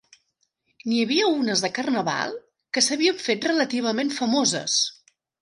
N'hi havia unes de Carnaval que s'havien fet relativament famoses.